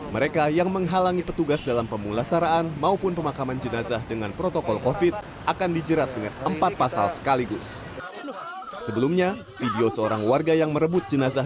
mereka yang menghalangi petugas dalam pemulasaraan maupun pemakaman jenazah